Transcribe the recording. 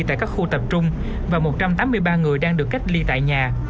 tại các khu tập trung và một trăm tám mươi ba người đang được cách ly tại nhà